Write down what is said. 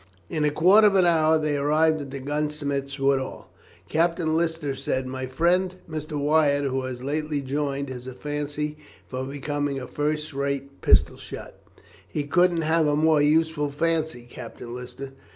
In a quarter of an hour they arrived at the gunsmith's. "Woodall," Captain Lister said, "my friend, Mr. Wyatt, who has lately joined, has a fancy for becoming a first rate pistol shot." "He couldn't have a more useful fancy, Captain Lister.